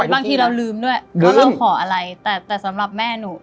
บางทีเราลืมด้วยว่าเราขออะไรแต่สำหรับแม่หนู